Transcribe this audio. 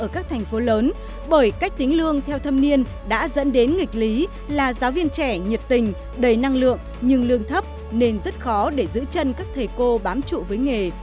các thành phố lớn bởi cách tính lương theo thâm niên đã dẫn đến nghịch lý là giáo viên trẻ nhiệt tình đầy năng lượng nhưng lương thấp nên rất khó để giữ chân các thầy cô bám trụ với nghề